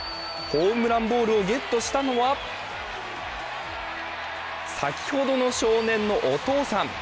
ホームランボールをゲットしたのは先ほどの少年のお父さん。